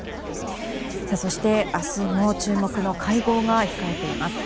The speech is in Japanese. そして明日も注目の会合が控えています。